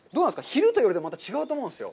昼と夜でまた違うと思うんですよ。